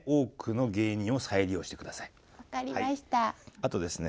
あとですね